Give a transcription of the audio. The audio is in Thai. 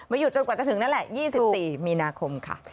หยุดจนกว่าจะถึงนั่นแหละ๒๔มีนาคมค่ะ